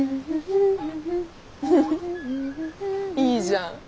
いいじゃん。